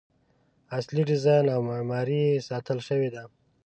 اصلي ډیزاین او معماري یې ساتل شوې ده.